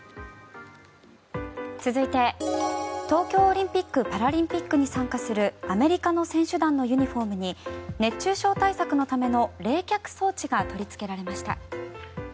続いて東京オリンピック・パラリンピックに参加するアメリカの選手団のユニホームに熱中症対策のための冷却装置が取りつけられました。